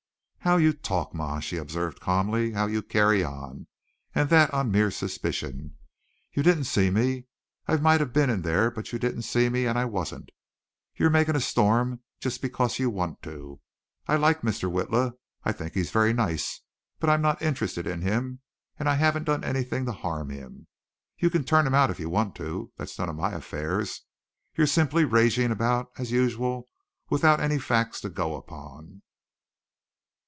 "How you talk, ma," she observed, calmly; "how you carry on, and that on a mere suspicion. You didn't see me. I might have been in there but you didn't see me and I wasn't. You're making a storm just because you want to. I like Mr. Witla. I think he's very nice, but I'm not interested in him and I haven't done anything to harm him. You can turn him out if you want to. That's none of my affairs. You're simply raging about as usual without any facts to go upon."